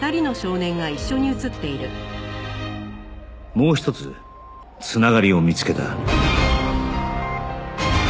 もう一つ繋がりを見つけた